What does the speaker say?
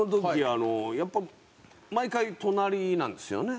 あのやっぱ毎回隣なんですよね